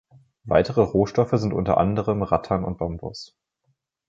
Weitere Rohstoffe sind unter anderem Rattan und Bambus.